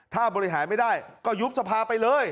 ถ้าบริหารไม่ได้ก็ยุบสภาไปเลย